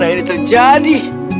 bagaimana ini terjadi